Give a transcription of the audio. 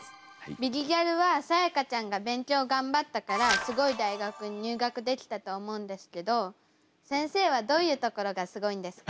「ビリギャル」はさやかちゃんが勉強頑張ったからすごい大学に入学できたと思うんですけど先生はどういうところがすごいんですか？